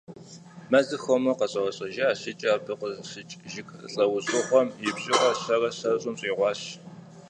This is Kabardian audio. Мэзыр хуэмурэ къэщӏэрэщӏэжащ, икӀи абы къыщыкӀ жыг лӀэужьыгъуэм и бжыгъэр щэрэ щэщӀым щӏигъуащ.